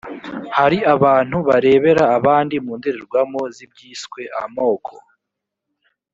hari abantu barebera abandi mu ndorerwamo z’ibyiswe amoko